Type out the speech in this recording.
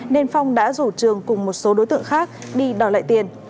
nên phong đã rủ trường cùng một số đối tượng khác đi đòi lại tiền